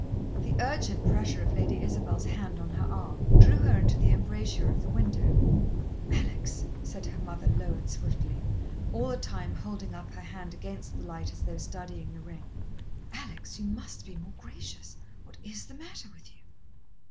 The urgent pressure of Lady Isabel's hand on her arm drew her into the embrasure of the window. "Alex," said her mother low and swiftly, all the time holding up her hand against the light as though studying the ring. "Alex, you must be more gracious. What is the matter with you?"